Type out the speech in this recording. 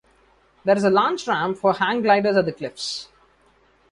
There is a launch ramp for hang gliders at the cliffs.